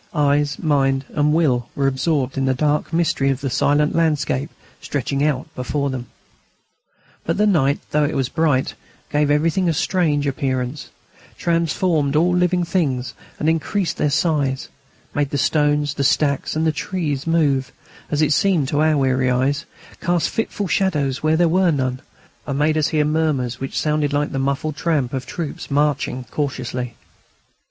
Eyes, mind, and will were absorbed in the dark mystery of the silent landscape stretching out before them. But the night, though it was so bright, gave everything a strange appearance; transformed all living things and increased their size; made the stones, the stacks, and the trees move, as it seemed to our weary eyes; cast fitful shadows where there were none; and made us hear murmurs which sounded like the muffled tramp of troops marching cautiously.